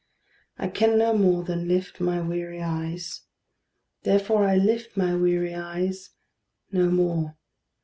I can no more than lift my weary eyes; Therefore I lift my weary eyes no more.